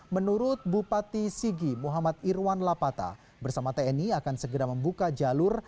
menurut bupati sigi muhammad irwan lapata bersama tni akan segera membuka jalur